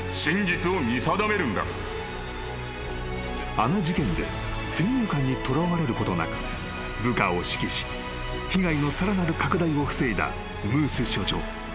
［あの事件で先入観にとらわれることなく部下を指揮し被害のさらなる拡大を防いだムース署長］